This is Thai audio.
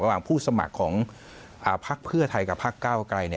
ระหว่างผู้สมัครของภาคเพื่อไทยกับภาคเก้าไกล